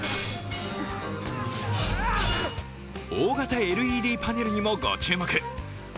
大型ＬＥＤパネルにもご注目。